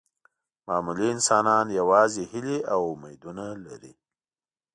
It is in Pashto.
معمولي انسانان یوازې هیلې او امیدونه لري.